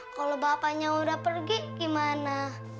kalau bapaknya udah pergi gimana